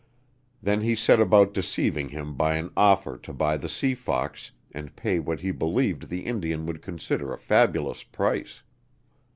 Then he set about deceiving him by an offer to buy the Sea Fox and pay what he believed the Indian would consider a fabulous price.